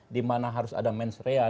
dimana harus ada mens realis